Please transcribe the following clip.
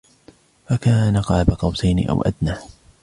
فكان قاب قوسين أو أدنى